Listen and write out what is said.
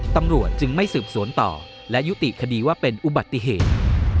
ตำรวจจึงไม่สืบสวนต่อและยุติคดีว่าเป็นอุบัติเหตุ